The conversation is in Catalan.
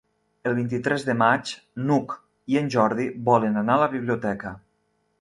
El vint-i-tres de maig n'Hug i en Jordi volen anar a la biblioteca.